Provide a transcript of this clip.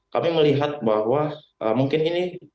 kami melihat bahwa mungkin ini